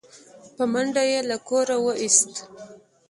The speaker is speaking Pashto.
په منډه يې له کوره و ايست